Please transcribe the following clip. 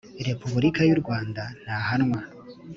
repubulika y u rwanda ntahanwa